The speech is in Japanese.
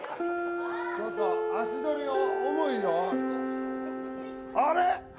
ちょっと足取り重いよあれ？